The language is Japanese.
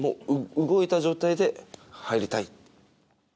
動いた状態で入りたい。